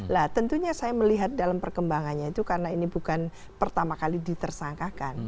nah tentunya saya melihat dalam perkembangannya itu karena ini bukan pertama kali ditersangkakan